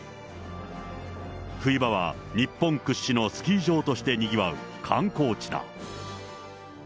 冬場は日本屈指のスキー場としてにぎわう観光地だ。